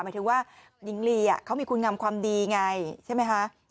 หมายถึงว่าหญิงลีเขามีคุณงามความดีไง